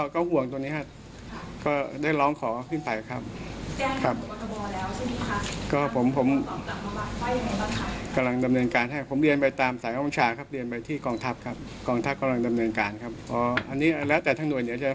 กำลังดำเนินการให้กำลัง